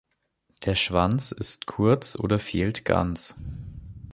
Der Schwanz ist kurz oder fehlt ganz.